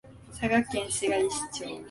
佐賀県白石町